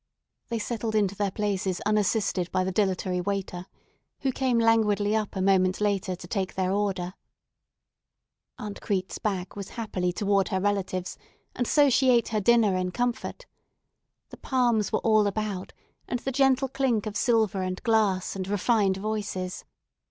They settled into their places unassisted by the dilatory waiter, who came languidly up a moment later to take their order. Aunt Crete's back was happily toward her relatives, and so she ate her dinner in comfort. The palms were all about, and the gentle clink of silver and glass, and refined voices.